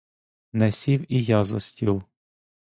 Не сів і я за стіл.